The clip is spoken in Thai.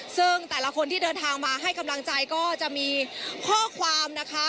ซึ่งแต่ละคนที่เดินทางมาให้กำลังใจก็จะมีข้อความนะคะ